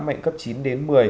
mạnh cấp chín đến một mươi